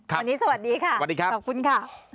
วันนี้สวัสดีค่ะสวัสดีครับขอบคุณค่ะ